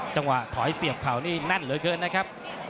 จังหวะถอยเสียบเข่านี่แน่นเหลือเกินนะครับ